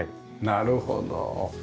なるほど。